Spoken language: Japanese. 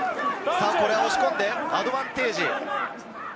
これは押し込んでアドバンテージ。